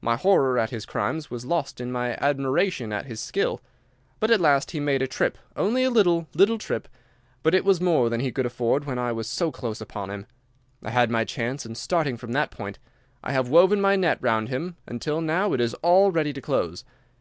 My horror at his crimes was lost in my admiration at his skill. But at last he made a trip—only a little, little trip—but it was more than he could afford when I was so close upon him. I had my chance, and, starting from that point, I have woven my net round him until now it is all ready to close.